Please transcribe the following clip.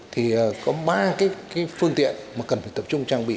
thì có ba cái phương tiện mà cần phải tập trung trang bị